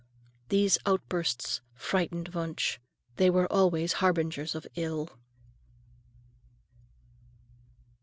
These outbursts frightened Wunsch. They were always harbingers of ill.